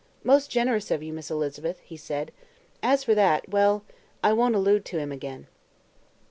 "Most generous of you, Miss Elizabeth," he said. "As for that well, I won't allude to him again."